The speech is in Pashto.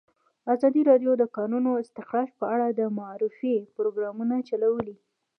ازادي راډیو د د کانونو استخراج په اړه د معارفې پروګرامونه چلولي.